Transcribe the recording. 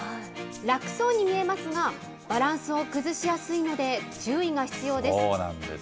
楽そうに見えますが、バランスを崩しやすいので、注意が必要です。